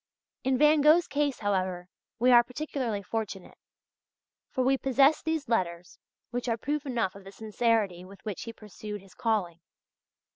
In Van Gogh's case, however, we are particularly fortunate; for we possess these letters which are proof enough of the sincerity with which he pursued his calling.